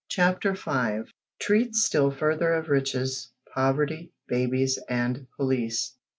CHAPTER FIVE. TREATS STILL FURTHER OF RICHES, POVERTY, BABIES, AND POLICE.